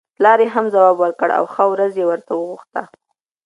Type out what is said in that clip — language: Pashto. پلار یې هم ځواب ورکړ او ښه ورځ یې ورته وغوښته.